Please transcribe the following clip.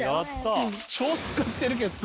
超つかってるけど。